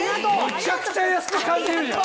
むちゃくちゃ安く感じるじゃん！